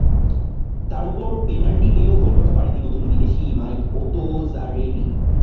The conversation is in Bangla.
তার ওপর পেনাল্টি পেয়েও গোল করতে পারেননি নতুন বিদেশি মাইক ওতোজারেরি।